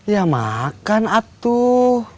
ya makan atuh